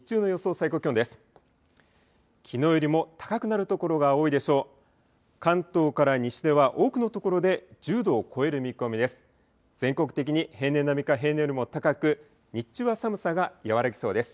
最高気温です。